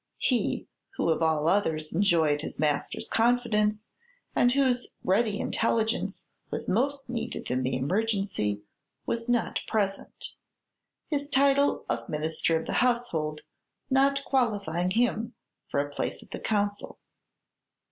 He who of all others enjoyed his master's confidence, and whose ready intelligence was most needed in the emergency, was not present; his title of Minister of the Household not qualifying him for a place at the Council.